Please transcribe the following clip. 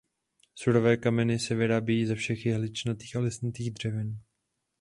Surové kmeny se vyrábějí ze všech jehličnatých a listnatých dřevin.